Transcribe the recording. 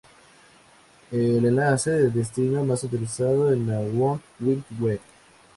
El enlace de destino más utilizado en la World Wide Web.